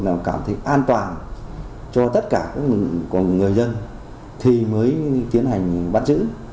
nào cảm thấy an toàn cho tất cả của người dân thì mới tiến hành bắt giữ